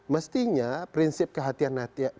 mestinya prinsip kehatian hati hati